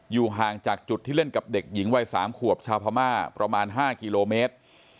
ห่างจากจุดที่เล่นกับเด็กหญิงวัย๓ขวบชาวพม่าประมาณ๕กิโลเมตร